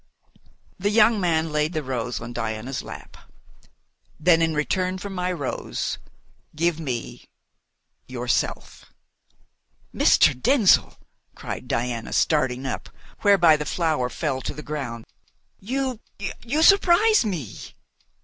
The young man laid the rose on Diana's lap. "Then in return for my rose give me yourself!" "Mr. Denzil!" cried Diana, starting up, whereby the flower fell to the ground. "You you surprise me!"